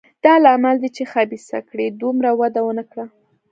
دا لامل دی چې خبیثه کړۍ دومره وده ونه کړه.